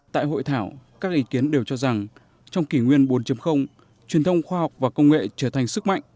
tại hội thảo các ý kiến đều cho rằng trong kỷ nguyên bốn truyền thông khoa học và công nghệ trở thành sức mạnh